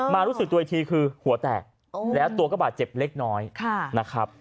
รู้สึกตัวอีกทีคือหัวแตกแล้วตัวก็บาดเจ็บเล็กน้อยนะครับ